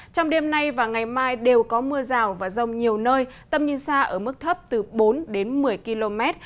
trong đêm nay và ngày mai đều có mưa rào và rông nhiều nơi tầm nhìn xa ở mức thấp từ bốn đến một mươi km